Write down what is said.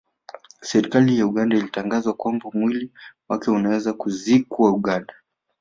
Serikali ya Uganda ilitangaza kwamba mwili wake unaweza kuzikwa Uganda